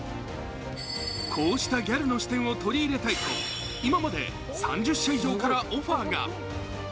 こうしたギャルの視点を取り入れたいと、今まで３０社以上からオファーが。